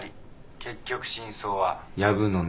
結局真相はやぶの中。